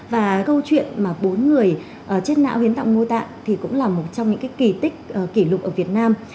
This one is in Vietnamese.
và câu chuyện mà bốn người chết não hiến tặng mô tạng thì cũng là một trong những kỳ tích kỷ lục ở việt nam